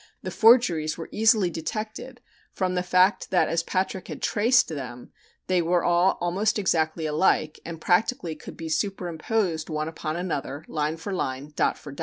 the forgeries were easily detected from the fact that as Patrick had traced them they were all almost exactly alike and practically could be superimposed one upon another, line for line, dot for dot.